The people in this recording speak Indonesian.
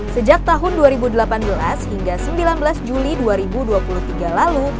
sejak tahun dua ribu delapan belas hingga sembilan belas juli dua ribu dua puluh tiga lalu